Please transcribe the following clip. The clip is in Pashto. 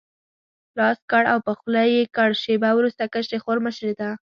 لاس کړ او په خوله یې کړ، شېبه وروسته کشرې خور مشرې ته.